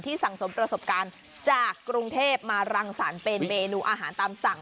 สั่งสมประสบการณ์จากกรุงเทพมารังสรรค์เป็นเมนูอาหารตามสั่ง